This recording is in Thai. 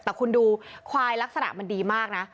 แต่คุณดูควายลักษณะมันดีมากนะ